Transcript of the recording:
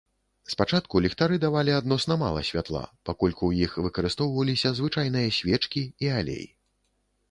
Спачатку ліхтары давалі адносна мала святла, паколькі ў іх выкарыстоўваліся звычайныя свечкі і алей.